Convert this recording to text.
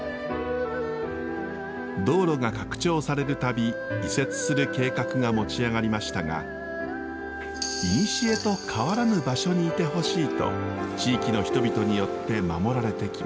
道路が拡張されるたび移設する計画が持ち上がりましたがいにしえと変わらぬ場所にいてほしいと地域の人々によって守られてきました。